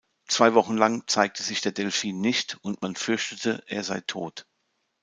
Zwei Wochen lang zeigte sich der Delfin nicht und man fürchtete, er sei tot.